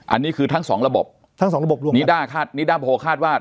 อันนี้คือทั้งสองระบบทั้งสองระบบรวมนิด้าคาดนิด้าโพลคาดว่า